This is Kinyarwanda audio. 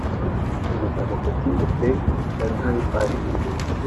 Igitabo Petit pays cya Gaël Faye